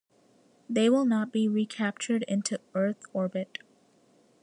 They will not be recaptured into Earth orbit.